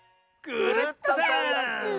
クルットさんダス！